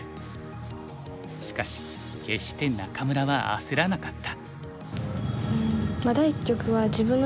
しかし決して仲邑は焦らなかった。